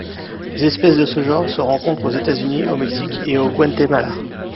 Les espèces de ce genre se rencontrent aux États-Unis au Mexique et au Guatemala.